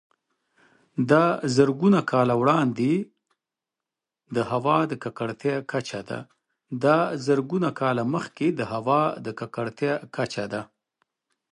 دا د زرګونه کاله مخکې د هوا د ککړتیا کچه ده